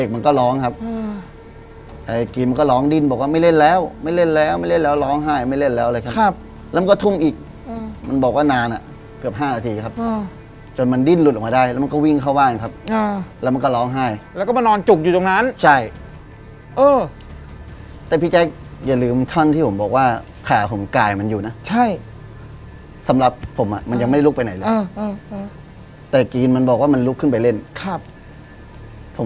อเจมส์อเจมส์อเจมส์อเจมส์อเจมส์อเจมส์อเจมส์อเจมส์อเจมส์อเจมส์อเจมส์อเจมส์อเจมส์อเจมส์อเจมส์อเจมส์อเจมส์อเจมส์อเจมส์อเจมส์อเจมส์อเจมส์อเจมส์อเจมส์อเจมส์อเจมส์อเจมส์อเจม